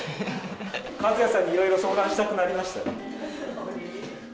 一也さんにいろいろ相談したくなりましたよ。